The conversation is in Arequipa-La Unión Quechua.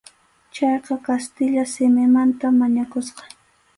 Chayqa kastilla simimanta mañakusqa.